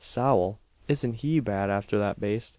Sowl! isn't he bad afther that baste!